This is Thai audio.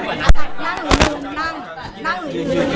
เดี๋ยวก็ชวนมาอีกค่ะถ้ามีคือขั้นตอนนี้